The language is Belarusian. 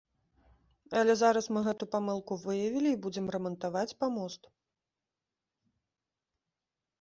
Але зараз мы гэту памылку выявілі і будзем рамантаваць памост.